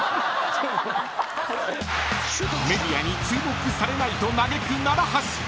［メディアに注目されないと嘆く名良橋］